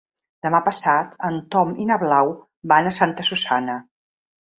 Demà passat en Tom i na Blau van a Santa Susanna.